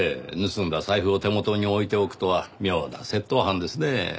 盗んだ財布を手元に置いておくとは妙な窃盗犯ですねぇ。